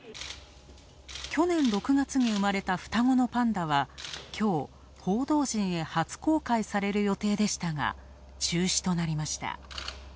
去年６月に生まれた双子のパンダはきょう、報道陣へ初公開される予定でしたが、中止となりました。